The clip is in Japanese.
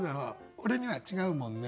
俺には「違うもんね」。